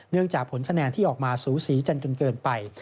เนื่องจากผลคะแนนที่ออกมาสูสีจันเกินไป